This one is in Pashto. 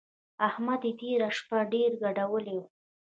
احمد يې تېره شپه ډېر ګډولی وو.